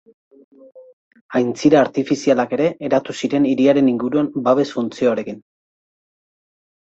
Aintzira artifizialak ere eratu ziren hiriaren inguruan babes funtzioarekin.